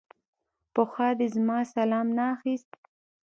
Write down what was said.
پخوا دې زما سلام نه اخيست.